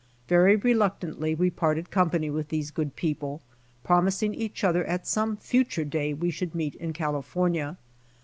Very reluctantly we parted comipany with these good people, promising each other at some future day we should meet in California.